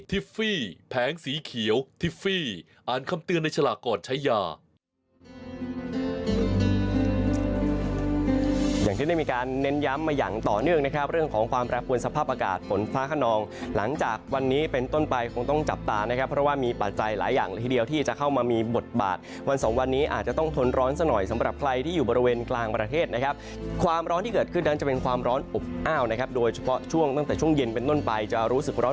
ฟี่แผงสีเขียวทิฟฟี่อ่านคำเตือนในฉลากโกรธใช้ยา